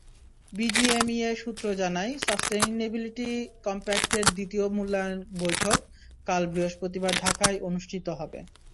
BGMEA সূত্র জানায়, sustainability কমপ্যাক্টের দ্বিতীয় মূল্যায়ন বৈঠক কাল বৃহস্পতিবার ঢাকায় অনুষ্ঠিত হবে।